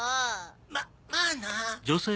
ままぁな。